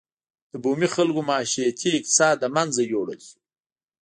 د بومي خلکو معیشتي اقتصاد له منځه یووړل شو.